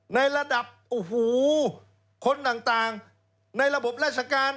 ในระดับโอ้โหคนต่างในระบบราชการ